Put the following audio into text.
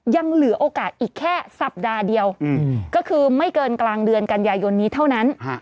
ยังเหลือโอกาสอีกแค่สัปดาห์เดียวก็คือไม่เกินกลางเดือนกันยายนนี้เท่านั้น